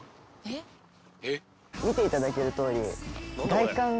見ていただける通り。